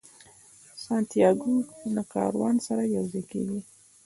سانتیاګو د کاروان سره یو ځای کیږي.